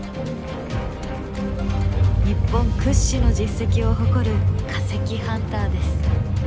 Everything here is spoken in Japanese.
日本屈指の実績を誇る化石ハンターです。